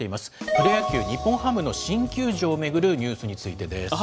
プロ野球・日本ハムの新球場を巡るニュースについてです。